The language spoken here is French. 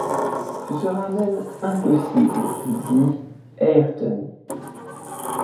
Ce sera même impossible, dit Ayrton.